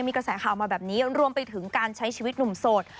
มีกระแสข่าวมาแบบนี้รวมไปถึงการใช้ชีวิตหนุ่มโสด